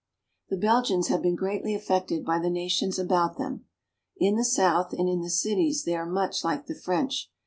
The Belgians have been greatly affected by the nations about them. In the south and in the cities they are much like the French.